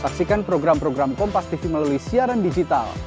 saksikan program program kompas tv melalui siaran digital